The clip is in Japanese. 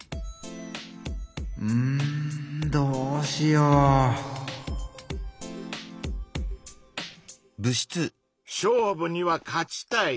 うんどうしよう⁉勝負には勝ちたい。